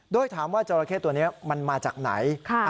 โดยถามว่าจราเข้ตัวนี้มันมาจากไหน